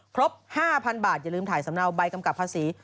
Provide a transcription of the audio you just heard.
ครบ๕๐๐บาทอย่าลืมถ่ายสำเนาใบกำกับภาษี